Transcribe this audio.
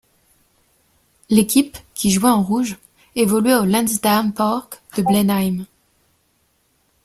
L'équipe, qui jouait en rouge, évoluait au Lansdowne Park de Blenheim.